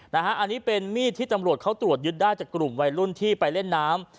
อันนี้เป็นมีดที่ตำรวจเขาตรวจยึดได้จากกลุ่มวัยรุ่นที่ไปเล่นน้ำ